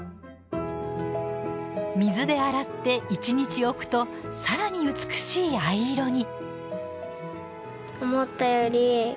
水で洗って一日置くとさらに美しい藍色に。